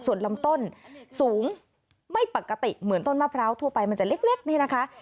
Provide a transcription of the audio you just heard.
ส่วนลำต้นสูงไม่ปกติเหมือนต้นมะพร้าวทั่วไปมันจะเล็กนี่นะคะ